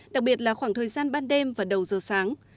đặc biệt là khoảng thời gian ban đêm và đầu giờ sáng